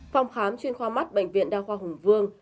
phòng khám chuyên khoa mắt bệnh viện đa khoa hùng vương